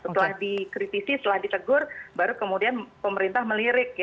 setelah dikritisi setelah ditegur baru kemudian pemerintah melirik